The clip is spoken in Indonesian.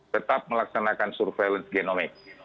tetap melaksanakan surveillance genomic